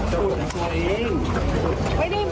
เตือนตัวเอง